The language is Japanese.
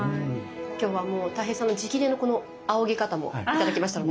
今日はもうたい平さんの直伝のこのあおぎ方も頂きましたので。